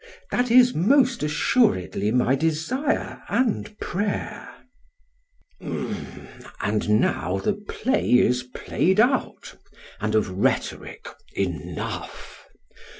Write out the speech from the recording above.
PHAEDRUS: That is most assuredly my desire and prayer. SOCRATES: And now the play is played out; and of rhetoric enough.